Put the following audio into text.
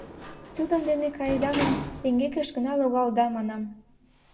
Тудын дене каеда гын, эҥгекыш гына логалыда, — манам.